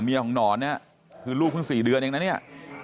ของหนอนเนี่ยคือลูกเพิ่ง๔เดือนเองนะเนี่ย